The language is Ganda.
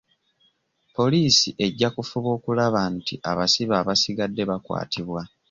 Poliisi ejja kufuba okulaba nti abasibe abasigadde bakwatibwa.